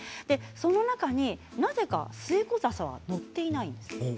その中に、なぜかスエコザサが載っていないんです。